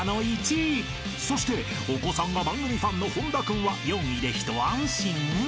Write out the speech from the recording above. ［そしてお子さんが番組ファンの本田君は４位で一安心？］